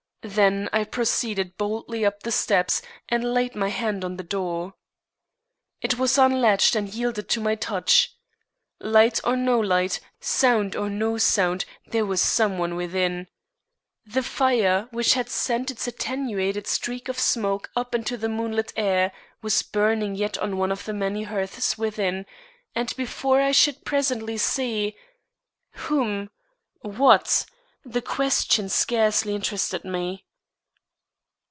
Then I proceeded boldly up the steps and laid my hand on the door. It was unlatched and yielded to my touch. Light or no light, sound or no sound there was some one within. The fire which had sent its attenuated streak of smoke up into the moonlit air, was burning yet on one of the many hearths within, and before it I should presently see Whom? What? The question scarcely interested me.